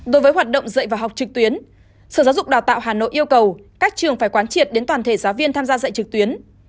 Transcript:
đối với hoạt động dạy và học trực tuyến sở giáo dục đào tạo hà nội yêu cầu các trường phải quán triệt đến toàn thể giáo viên tham gia dạy trực tuyến